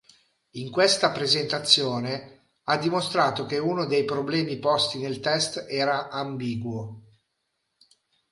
In questa presentazione ha dimostrato che uno dei problemi posti nel test era ambiguo.